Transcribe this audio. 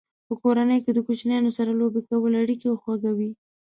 په کورنۍ کې د کوچنیانو سره لوبې کول اړیکې خوږوي.